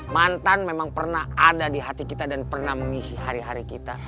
mantan memang pernah ada di hati kita dan pernah mengisi hari hari kita